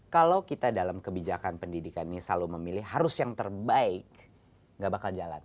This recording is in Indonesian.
kalau kita dalam kebijakan pendidikan ini selalu memilih harus yang terbaik gak bakal jalan